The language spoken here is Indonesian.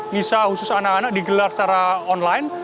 misa khusus anak anak digelar secara online